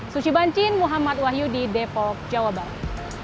suci bancin muhammad wahyu di depok jawa barat